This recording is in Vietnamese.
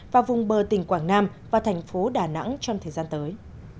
và vùng bờ tỉnh quảng nam và thành phố đà nẵng trong thời gian tới